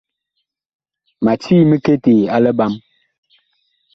Ma cii miketee a liɓam.